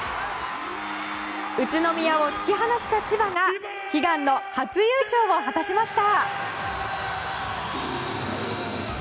宇都宮を突き放した千葉が悲願の初優勝を果たしました。